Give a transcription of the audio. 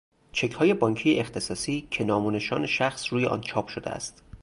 چکهای بانکی اختصاصی که نام و نشانی شخص روی آن چاپ شده است